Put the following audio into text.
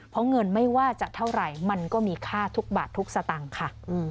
เพราะเงินไม่ว่าจะเท่าไหร่มันก็มีค่าทุกบาททุกสตางค์ค่ะ